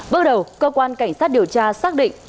bước đầu cơ quan cảnh sát điều tra xác định